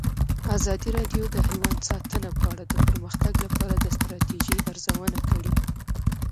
ازادي راډیو د حیوان ساتنه په اړه د پرمختګ لپاره د ستراتیژۍ ارزونه کړې.